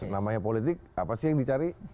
namanya politik apa sih yang dicari